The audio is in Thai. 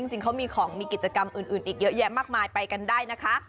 จริงเขามีของมีกิจกรรมอื่นอีกเยอะแยะมากมายไปกันได้นะคะ